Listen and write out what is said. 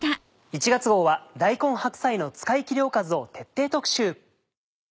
１月号は「大根・白菜の使いきりおかず」を徹底特集。